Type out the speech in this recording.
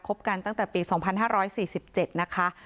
กันตั้งแต่ปี๒๕๔๗นะคะ